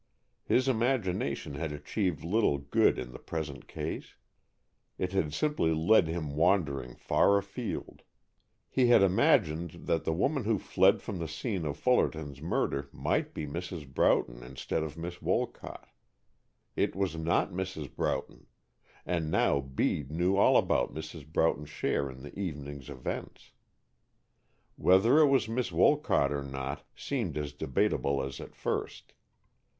His imagination had achieved little good in the present case. It had simply led him wandering far afield. He had imagined that the woman who fled from the scene of Fullerton's murder might be Mrs. Broughton instead of Miss Wolcott. It was not Mrs. Broughton, and now Bede knew all about Mrs. Broughton's share in the evening's events. Whether it was Miss Wolcott or not seemed as debatable as at first.